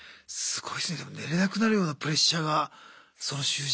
すごいですねでも寝れなくなるようなプレッシャーがその囚人から。